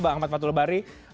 bang ahmad fatul bari